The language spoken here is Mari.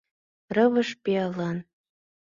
Рывыж — пиалан...